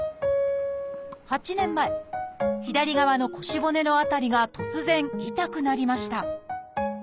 ８年前左側の腰骨の辺りが突然痛くなりました